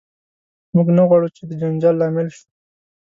موږ نه غواړو چې د جنجال لامل شو.